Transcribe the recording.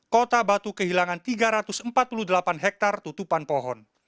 kota batu kehilangan tiga ratus empat puluh delapan hektare tutupan pohon